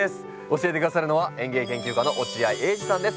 教えて下さるのは園芸研究家の落合英司さんです。